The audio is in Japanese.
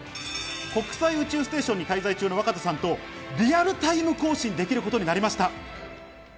国際宇宙ステーションに滞在中の若田さんとリアルタイム交信できることになりました。